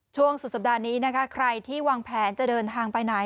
ช่วงสุดสัปดาห์นี้นะคะใครที่วางแผนจะเดินทางไปไหน